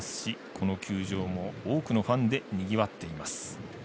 この球場も多くのファンでにぎわっています。